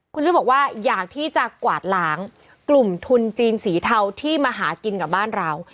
คุณชุวิตบอกว่าอยากที่จะกวาดล้างกลุ่มทุนจีนสีเทาที่มาหากินกับบ้านเรา